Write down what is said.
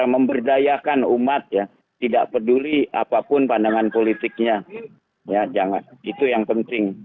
memberdayakan umat ya tidak peduli apapun pandangan politiknya ya jangan itu yang penting